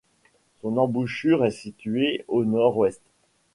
Son embouchure est située au nord-ouest.